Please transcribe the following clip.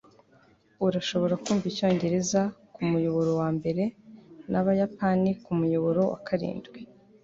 urashobora kumva icyongereza kumuyoboro wa mbere, nabayapani kumuyoboro wa karindwi